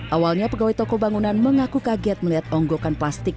awalnya pegawai toko bangunan mengaku kaget melihat onggokan plastik